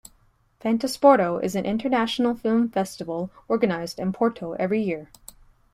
Fantasporto is an international film festival organized in Porto every year.